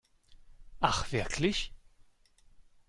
Ach, wirklich?